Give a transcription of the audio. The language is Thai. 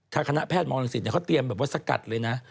ถ้าคณะแพทย์มรงสิตเขาเตรียมสกัดเลยนะ